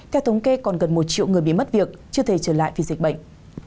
theo thống kê còn gần một triệu người bị mất việc chưa thể trở lại vì dịch bệnh